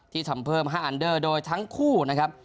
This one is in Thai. ทำเพิ่ม๕อันเดอร์โดยทั้งคู่นะครับ